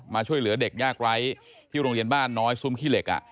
ช่วยเหลือเด็กยากไร้ที่โรงเรียนบ้านน้อยซุ้มขี้เหล็ก